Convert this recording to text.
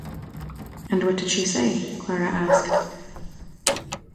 “And what did she say?” Clara asked.